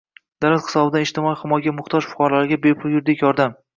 davlat hisobidan ijtimoiy himoyaga muhtoj fuqarolarga bepul yuridik yordam